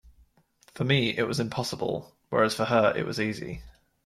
For me it was impossible, whereas for her it was easy.